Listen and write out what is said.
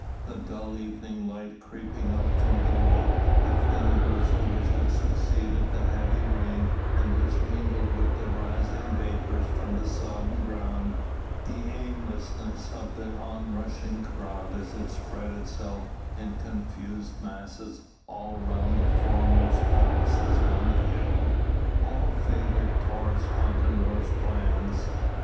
The dull evening light creeping up from below, the thin drizzle which had succeeded the heavy rain and which mingled with the rising vapours from the sodden ground, the aimlessness of the onrushing crowd as it spread itself in confused masses all round the foremost palaces on the hill, all favoured Taurus Antinor's plans.